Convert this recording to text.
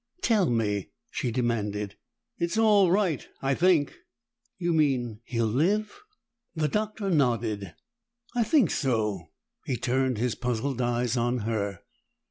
"Tell me!" she demanded. "It's all right, I think." "You mean he'll live?" The Doctor nodded. "I think so." He turned his puzzled eyes on her.